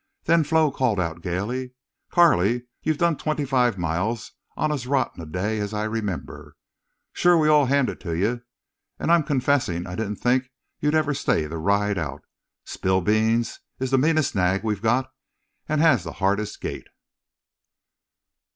Then Flo called out gayly: "Carley, you've done twenty five miles on as rotten a day as I remember. Shore we all hand it to you. And I'm confessing I didn't think you'd ever stay the ride out. Spillbeans is the meanest nag we've got and he has the hardest gait."